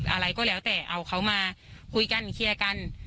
อะไรก็แล้วแต่เอาเขามาคุยกันเคลียร์กัน